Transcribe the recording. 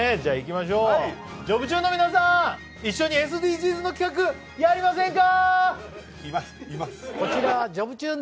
「ジョブチューン」の皆さん、一緒にＳＤＧｓの企画やりませんか！？